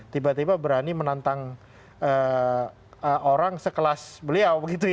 tiba tiba berani menantang orang sekelas beliau begitu ya